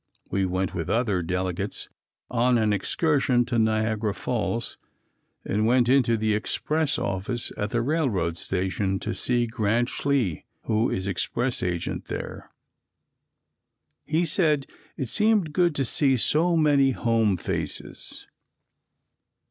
We went with other delegates on an excursion to Niagara Falls and went into the express office at the R. R. station to see Grant Schley, who is express agent there. He said it seemed good to see so many home faces.